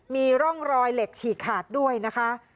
มีร่องรอยเหล็กฉีกขาดด้วยนะคะ